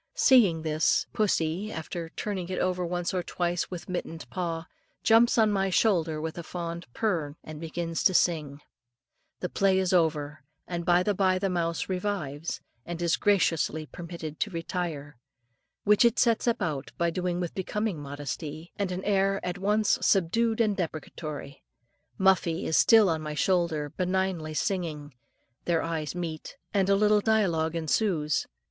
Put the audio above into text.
Seeing this, pussy, after turning it over once or twice with mittened paw, jumps on my shoulder with a fond "purr rn," and begins to sing. The play is over, and by and by the mouse revives, and is graciously permitted to retire, which it sets about doing with becoming modesty, and an air at once subdued and deprecatory. Muffie is still on my shoulder, benignly singing. Their eyes meet, and a little dialogue ensues.